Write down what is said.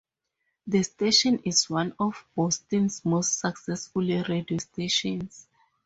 The station is one of Boston's most successful radio stations.